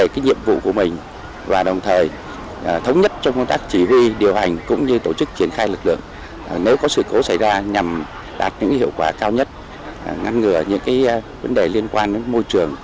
kịp thời thông báo cho các lực lượng chức năng hỗ trợ